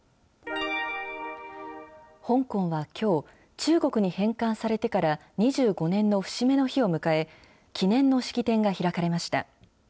香港はきょう、中国に返還されてから２５年の節目の日を迎え、記念の式典が開かれました。